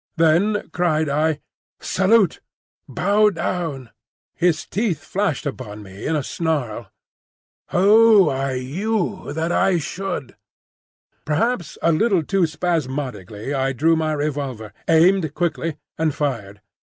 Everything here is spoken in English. Then cried I, "Salute! Bow down!" His teeth flashed upon me in a snarl. "Who are you that I should—" Perhaps a little too spasmodically I drew my revolver, aimed quickly and fired.